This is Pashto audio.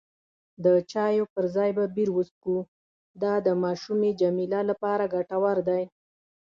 د چایو پر ځای به بیر وڅښو، دا د ماشومې جميله لپاره ګټور دی.